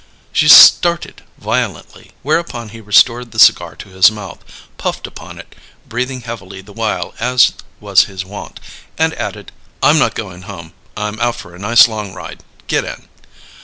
She started violently; whereupon he restored the cigar to his mouth, puffed upon it, breathing heavily the while as was his wont, and added, "I'm not going home. I'm out for a nice long ride. Get in."